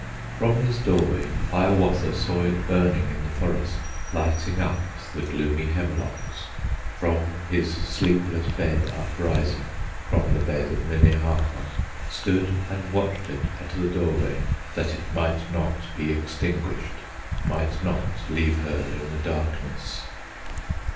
From his doorway Hiawatha Saw it burning in the forest, Lighting up the gloomy hemlocks; From his sleepless bed uprising, From the bed of Minnehaha, Stood and watched it at the doorway, That it might not be extinguished, Might not leave her in the darkness.